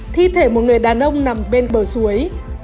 thi thể một người đàn ông nằm bên bờ suối